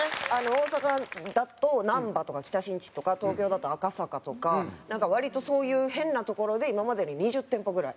大阪だと難波とか北新地とか東京だと赤坂とかなんか割とそういう変な所で今までに２０店舗ぐらい。